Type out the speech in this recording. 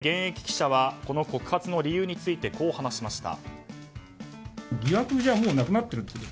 昨日、行われた会見で現役記者はこの告発の理由についてこう話しました。